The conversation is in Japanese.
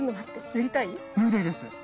塗りたいです。